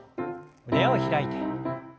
胸を開いて。